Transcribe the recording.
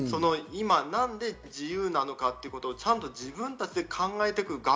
今、何で自由なのかということをちゃんと自分たちで考えていく。